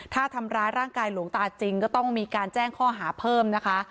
ถ้าทำร้ายร่างกายหลวงตาจริงก็ต้องมีการแจ้งข้อหาเพิ่มนะคะ